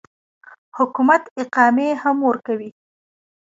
حکومت اقامې هم ورکړي.